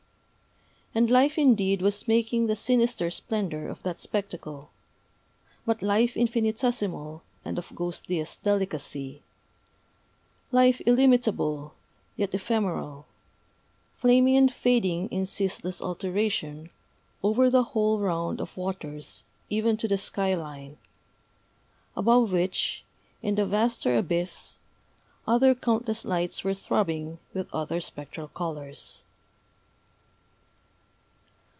And life indeed was making the sinister splendor of that spectacle but life infinitesimal, and of ghostliest delicacy, life illimitable, yet ephemeral, flaming and fading in ceaseless alternation over the whole round of waters even to the sky line, above which, in the vaster abyss, other countless lights were throbbing with other spectral colors.